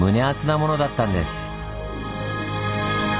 アツなものだったんです。